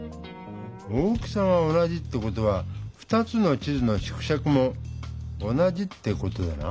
大きさが同じって事は２つの地図の縮尺も同じって事だな。